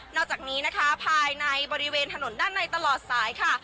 อกจากนี้นะคะภายในบริเวณถนนด้านในตลอดสายค่ะ